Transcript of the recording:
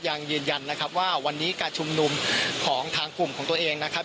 ยังยืนยันนะครับว่าวันนี้การชุมนุมของทางกลุ่มของตัวเองนะครับ